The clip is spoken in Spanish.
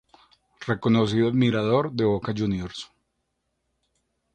Reconocido admirador de Boca Jrs.